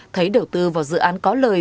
thấy đầu tư vào dự án có lời